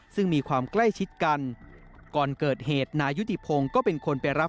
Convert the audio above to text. ซึ่งมีความใกล้ชิดกันก่อนเกิดเหตุนายยุติพงศ์ก็เป็นคนไปรับ